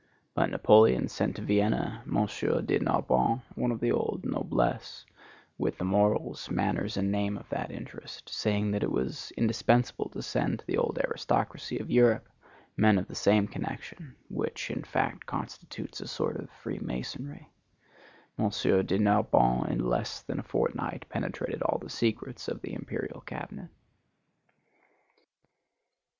But Napoleon sent to Vienna M. de Narbonne, one of the old noblesse, with the morals, manners and name of that interest, saying that it was indispensable to send to the old aristocracy of Europe men of the same connection, which, in fact, constitutes a sort of free masonry. M. de Narbonne in less than a fortnight penetrated all the secrets of the imperial cabinet.